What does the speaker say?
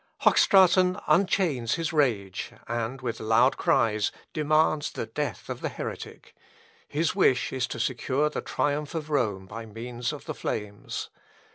Hochstraten unchains his rage, and, with loud cries, demands the death of the heretic.... His wish is to secure the triumph of Rome by means of the flames.